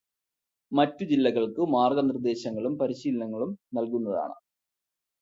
മറ്റ് ജില്ലകള്ക്കും മാര്ഗനിര്ദേശങ്ങളും പരിശീലനങ്ങളും നല്കുന്നതാണ്.